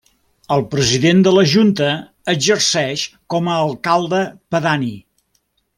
El president de la Junta exerceix com a alcalde pedani.